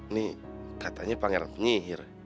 nih katanya pangeran penyihir